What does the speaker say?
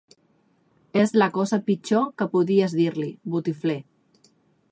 És la cosa pitjor que podies dir-li: botifler.